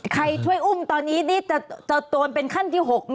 ใครช่วยอุ้มตอนนี้นี่จะโดนเป็นขั้นที่๖ไหม